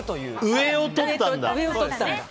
上を取ったんだ。